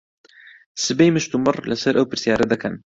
سبەی مشتومڕ لەسەر ئەو پرسیارە دەکەن.